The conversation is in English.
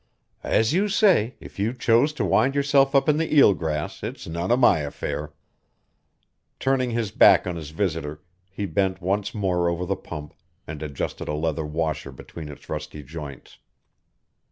"As you say, if you chose to wind yourself up in the eel grass it's none of my affair." Turning his back on his visitor, he bent once more over the pump and adjusted a leather washer between its rusty joints.